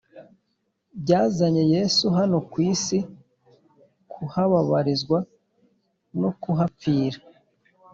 byazanye yesu hano ku isi kuhababarizwa no kuhapfira